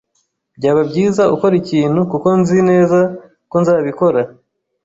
"Byaba byiza ukora ikintu," kuko nzi neza ko nzabikora?